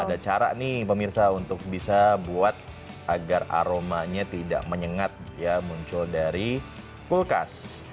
ada cara nih pemirsa untuk bisa buat agar aromanya tidak menyengat ya muncul dari kulkas